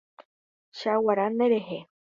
Cheaguara nderehe.